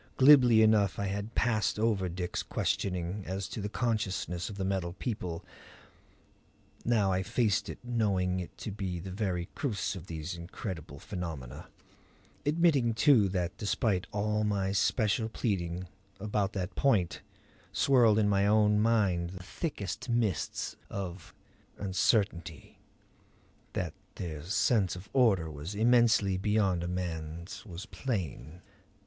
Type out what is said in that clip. Glibly enough I had passed over Dick's questioning as to the consciousness of the Metal People; now I faced it knowing it to be the very crux of these incredible phenomena; admitting, too, that despite all my special pleading, about that point swirled in my own mind the thickest mists of uncertainty. That their sense of order was immensely beyond a man's was plain.